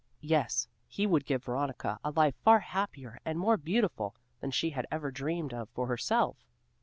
Yes, he would give Veronica a life far happier and more beautiful than she had ever dreamed of for herself!